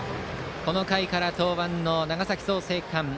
この回から登板の長崎・創成館。